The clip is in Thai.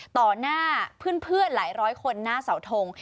หน้าเพื่อนหลายร้อยคนหน้าเสาทง